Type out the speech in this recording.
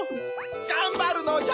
がんばるのじゃ！